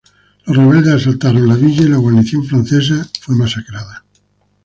Los rebeldes asaltaron la villa y la guarnición francesa fue masacrada.